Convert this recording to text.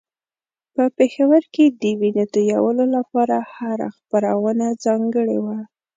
په پېښور کې د وينو تویولو لپاره هره خپرونه ځانګړې وه.